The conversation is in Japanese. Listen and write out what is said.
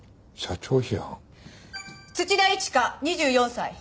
土田一花２４歳。